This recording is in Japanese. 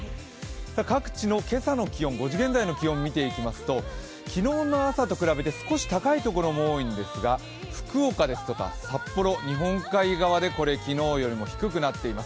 各地の今朝の５時現在の気温を見ていきますと昨日の朝と比べて少し高い所も多いんですが福岡ですとか札幌、日本海側で昨日よりも低くなっています。